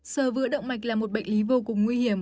sờ vữa động mạch là một bệnh lý vô cùng nguy hiểm